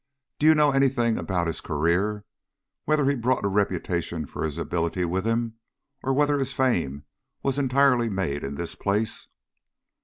Do you know any thing about his career whether he brought a reputation for ability with him, or whether his fame was entirely made in this place?"